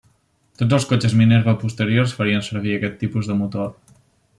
Tots els cotxes Minerva posteriors farien servir aquest tipus de motor.